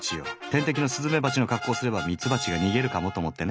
天敵のスズメバチの格好をすればミツバチが逃げるかもと思ってね。